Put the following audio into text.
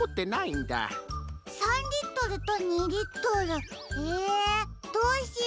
３リットルと２リットル？えどうしよう。